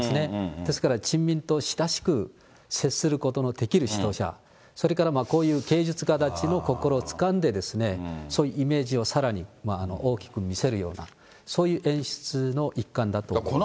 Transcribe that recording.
ですから人民と親しく接することのできる指導者、それから、こういう芸術家たちの心をつかんで、そういうイメージをさらに大きく見せるような、そういう演出の一環だと思います。